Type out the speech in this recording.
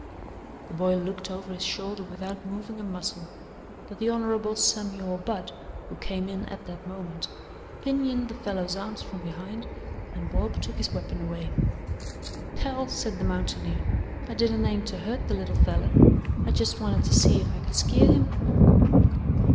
The boy looked over his shoulder without moving a muscle, but the Hon. Samuel Budd, who came in at that moment, pinioned the fellow's arms from behind and Bob took his weapon away. "Hell," said the mountaineer, "I didn't aim to hurt the little feller. I jes' wanted to see if I could skeer him."